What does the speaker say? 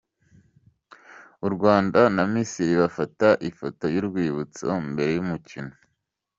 U Rwanda na Misiri bafata ifoto y'urwibutso mbere y'umukino